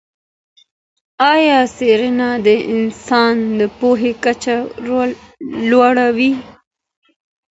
ایا څېړنه د انسان د پوهې کچه لوړوي؟